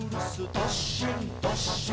どっしんどっしん」